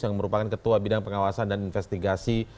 yang merupakan ketua bidang pengawasan dan investigasi